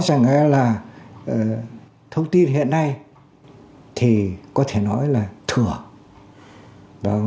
rằng là thông tin hiện nay thì có thể nói là thừa chứ không phải là thiếu đấy là một cái điểm mà